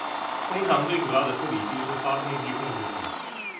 通常最主要的处理器是发动机控制器。